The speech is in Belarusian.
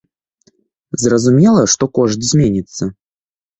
Зразумела, што кошт зменіцца.